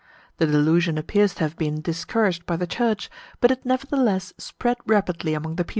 The delusion appears to have been discouraged by the Church, but it nevertheless spread rapidly among the people.